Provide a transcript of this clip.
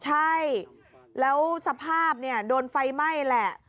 ใช่แล้วสภาพเนี่ยโดนไฟไหม้แหละ